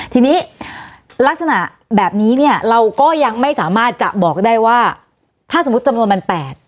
ทีนี้ลักษณะแบบนี้เนี่ยเราก็ยังไม่สามารถจะบอกได้ว่าถ้าสมมุติจำนวนมัน๘